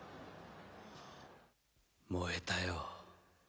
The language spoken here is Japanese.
「燃えたよ」